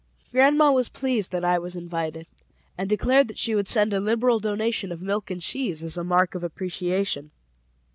Grandma was pleased that I was invited, and declared that she would send a liberal donation of milk and cheese as a mark of appreciation.